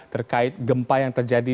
terkait gempa yang terjadi